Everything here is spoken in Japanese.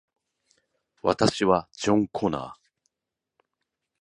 私はジョン・コナー